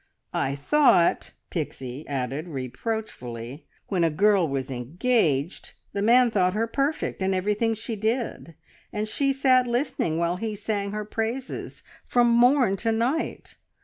I thought," Pixie added reproachfully, "when a girl was engaged the man thought her perfect, and everything she did, and she sat listening while he sang her praises from morn to night.